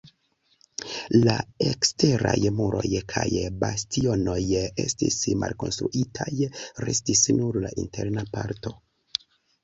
La eksteraj muroj kaj bastionoj estis malkonstruitaj, restis nur la interna parto.